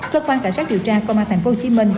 phương quan khả sát điều tra công an tp hcm